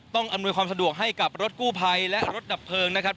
อำนวยความสะดวกให้กับรถกู้ภัยและรถดับเพลิงนะครับ